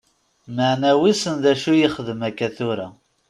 Maɛna wissen d acu i ixeddem akka tura.